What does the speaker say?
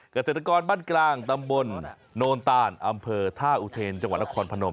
เกษตรกรบ้านกลางตำบลโนนตานอำเภอท่าอุเทนจังหวัดนครพนม